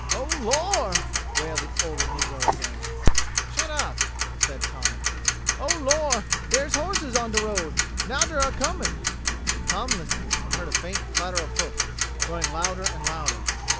"Oh, Lor'!" wailed the older negro again. "Shut up!" said Tom. "O Lor' der's horses on de road! Now der a coming!" Tom listened and heard a faint clatter of hoofs, growing louder and louder.